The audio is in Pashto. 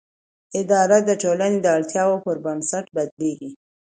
اداره د ټولنې د اړتیاوو پر بنسټ بدلېږي.